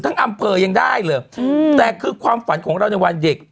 ทั้งอำเภอยังได้เลยแต่คือความฝันของเราในวันเด็ก